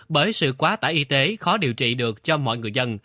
bởi sự quá tải y tế khó điều trị được cho mọi người dân